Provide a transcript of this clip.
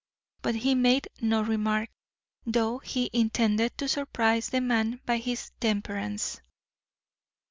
But he made no remark, though he intended to surprise the man by his temperance.